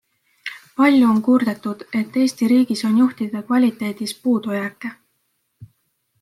Palju on kurdetud, et Eesti riigis on juhtide kvaliteedis puudujääke.